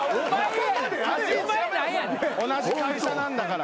同じ会社なんだから。